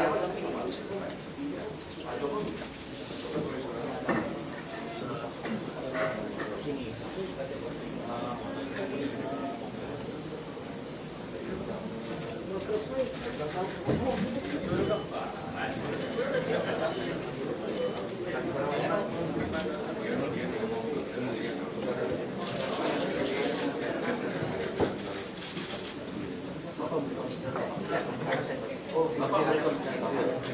tahun ini harusnya iya itu pun sudah boleh berada di sini